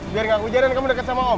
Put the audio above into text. biar gak hujanan kamu dekat sama om